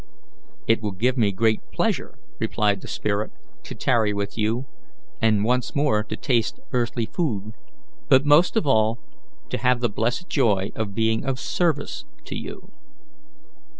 "It will give me great pleasure," replied the spirit, "to tarry with you, and once more to taste earthly food, but most of all to have the blessed joy of being of service to you.